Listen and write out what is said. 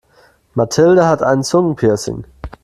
Mathilde hat ein Zungenpiercing.